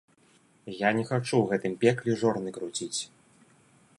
Я не хачу ў гэтым пекле жорны круціць!